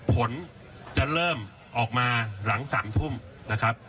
ผลจะเริ่มออกมาหลัง๓ทุ่มนะครับ